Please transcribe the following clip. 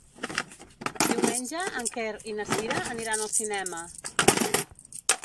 Diumenge en Quer i na Cira aniran al cinema.